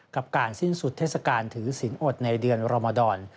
กับการสิ้นสุดเทศกาลถือสินอดในเดือนรมดร